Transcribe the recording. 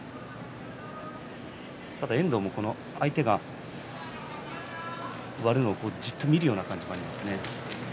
遠藤も相手を割るのをじっと見るような感じがありました。